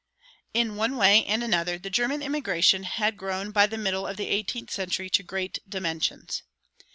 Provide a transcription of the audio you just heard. In one way and another the German immigration had grown by the middle of the eighteenth century to great dimensions.